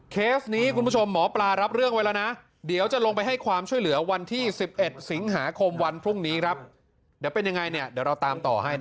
เคสนี้คุณผู้ชมหมอปลารับเรื่องไว้ละนะ